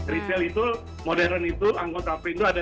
retail itu modern itu anggota print itu ada